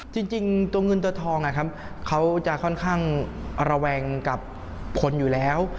จริงตัวเงินตัวทองนะครับเขาจะค่อนข้างระแวงกับผลอยู่แล้ว